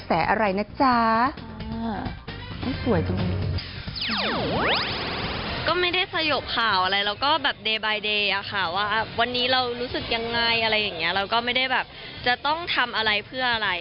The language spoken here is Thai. อะไรอย่างเงี้ยเราก็ไม่ได้แบบจะต้องทำอะไรเพื่ออะไร